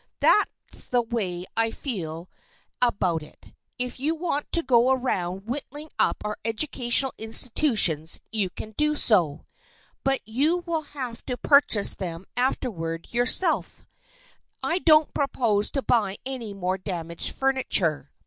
That's the way I feel about that. If you want to go around whittling up our educational institutions you can do so; but you will have to purchase them afterward yourself. I don't propose to buy any more damaged furniture.